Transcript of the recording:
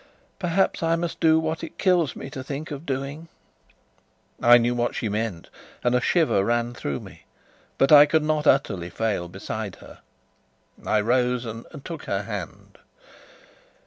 Perhaps I must do what it kills me to think of doing." I knew what she meant, and a shiver ran through me. But I could not utterly fail her. I rose and took her hand.